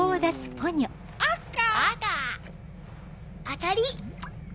当たり！